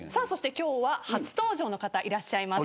今日は初登場の方いらっしゃいます。